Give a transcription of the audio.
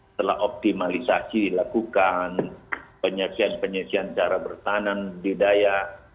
setelah optimalisasi dilakukan penyelesaian penyelesaian cara bertahanan budidaya